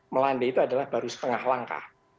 melanda itu adalah baru setengah langkah